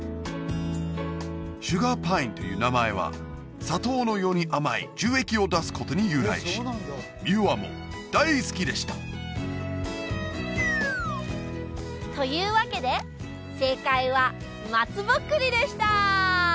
シュガーパインという名前は砂糖のように甘い樹液を出すことに由来しミューアも大好きでしたというわけで正解は「まつぼっくり」でした！